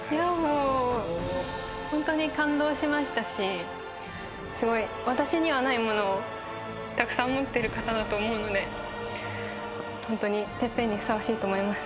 ホントに感動しましたし私にはないものをたくさん持ってる方だと思うのでホントにＴＥＰＰＥＮにふさわしいと思います。